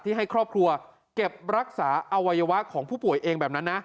ให้ครอบครัวเก็บรักษาอวัยวะของผู้ป่วยเองแบบนั้นนะ